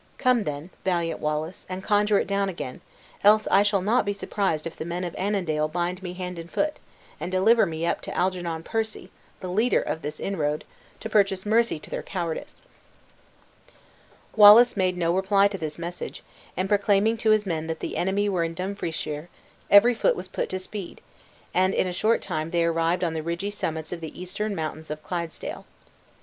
Come then, valiant Wallace, and conjure it down again, else I shall not be surprised if the men of Annandale bind me hand and foot, and deliver me up to Algernon Percy (the leader of this inroad), to purchase mercy to their cowardice." Wallace made no reply to this message, and proclaiming to his men that the enemy were in Dumfriesshire, every foot was put to the speed; and in a short time they arrived on the ridgy summits of the eastern mountains of Clydesdale.